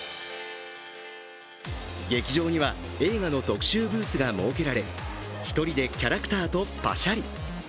劇場には映画の特集ブースが設けられ、１人でキャラクターとパシャリ。